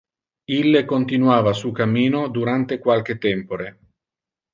Ille continuava su cammino durante qualque tempore.